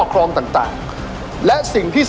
อัศวินตรีอัศวินตรี